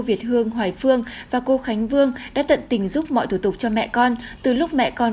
việt hương hoài phương và cô khánh vương đã tận tình giúp mọi thủ tục cho mẹ con từ lúc mẹ con